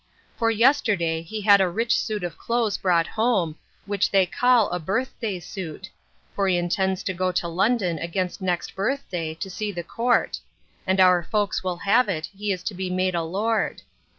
For yesterday he had a rich suit of clothes brought home, which they call a birth day suit; for he intends to go to London against next birth day, to see the court; and our folks will have it he is to be made a lord.